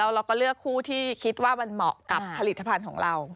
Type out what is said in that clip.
เราก็เลือกคู่ที่คิดว่ามันเหมาะกับผลิตภัณฑ์ของเรา